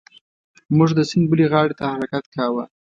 موږ د سیند بلې غاړې ته حرکت کاوه.